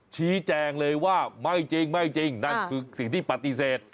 ชี้แจงเลยว่าไม่จริงไม่จริงนั่นคือสิ่งที่ปฏิเสธ